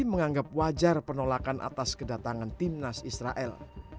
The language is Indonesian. menganggap wajar penolakan atas kedatangan tim nas israel